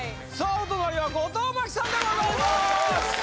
お隣は後藤真希さんでございます